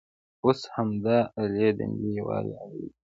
اوس همدا الې د ملي یووالي الې ده.